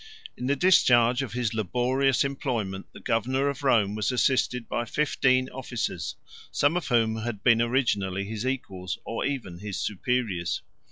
108 In the discharge of his laborious employment, the governor of Rome was assisted by fifteen officers, some of whom had been originally his equals, or even his superiors.